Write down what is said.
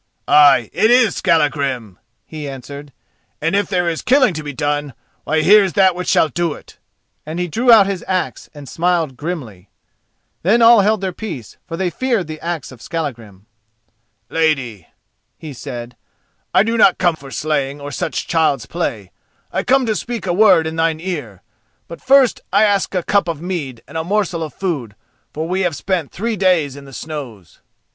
"Ay, it is Skallagrim," he answered, "and if there is killing to be done, why here's that which shall do it," and he drew out his axe and smiled grimly. Then all held their peace, for they feared the axe of Skallagrim. "Lady," he said, "I do not come for slaying or such child's play, I come to speak a word in thine ear—but first I ask a cup of mead and a morsel of food, for we have spent three days in the snows."